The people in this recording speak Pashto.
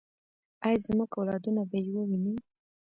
آیا زموږ اولادونه به یې وویني؟